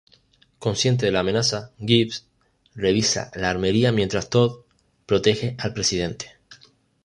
Consciente de la amenaza, Gibbs revisa la armería mientras Todd protege al presidente.